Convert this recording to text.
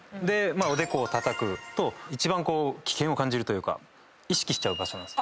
おでこをたたくと一番危険を感じるというか意識しちゃう場所なんです。